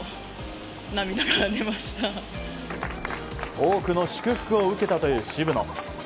多くの祝福を受けたという渋野。